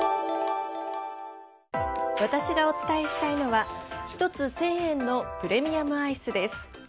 私がお伝えしたいのは１つ１０００円のプレミアムアイスです。